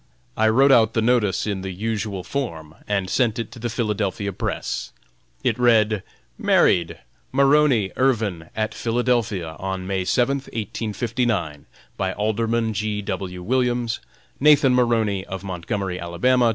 I wrote out the notice in the usual form and sent it to the Philadelphia Press. It read: "MARRIED. "MARONEY IRVIN At Philadelphia, on May 7th, 1859, by Alderman G. W. Williams, Nathan Maroney, of Montgomery, Ala.